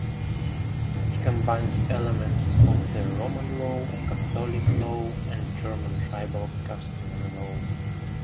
It combines elements of the Roman law, Catholic law and Germanic tribal customary law.